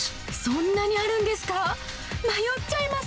そんなにあるんですか？